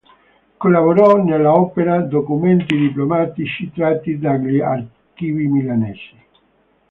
Collaborò nell'opera "Documenti Diplomatici tratti dagli Archivi Milanesi".